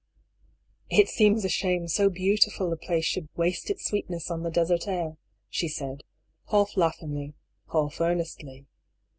" It seems a shame so beautiful a place should ' waste its sweetness on the desert air,' " she said, half laughingly, half earnestly.